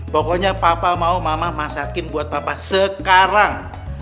pokoknya papa mau mama masakin buat papa sekarang